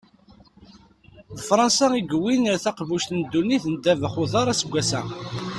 D Fransa i yewwin taqbuct n ddunit n ddabex n uḍar aseggas-a.